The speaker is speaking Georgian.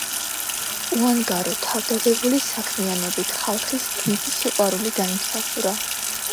უანგარო, თავდადებული საქმიანობით ხალხის დიდი სიყვარული დაიმსახურა.